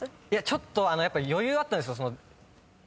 ちょっと余裕あったんですよ。